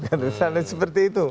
karena misalnya seperti itu